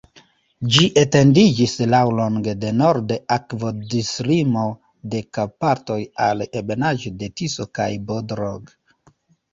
Ĝi etendiĝis laŭlonge de norde akvodislimo de Karpatoj al ebenaĵo de Tiso kaj Bodrog.